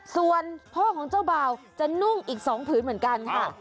ส่วนพ่อของเจ้าบ่าวจะนุ่งอีก๒ผืนเหมือนกันค่ะ